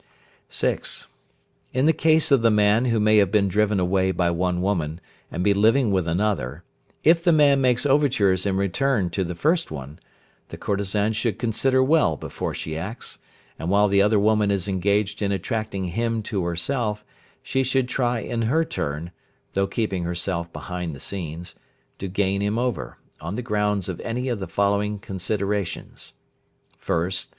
(6). In the case of the man who may have been driven away by one woman, and be living with another, if the man makes overtures in return to the first one, the courtesan should consider well before she acts, and while the other woman is engaged in attracting him to herself, she should try in her turn (through keeping herself behind the scenes) to gain him over, on the grounds of any of the following considerations, viz.: 1st.